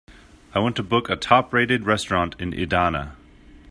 I want to book a top-rated restaurant in Idana.